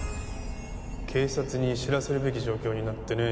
警察に知らせるべき状況になってね。